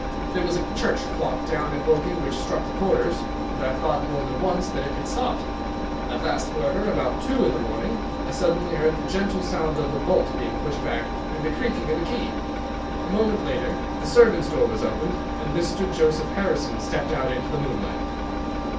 There was a church clock down at Woking which struck the quarters, and I thought more than once that it had stopped. At last however about two in the morning, I suddenly heard the gentle sound of a bolt being pushed back and the creaking of a key. A moment later the servants' door was opened, and Mr. Joseph Harrison stepped out into the moonlight."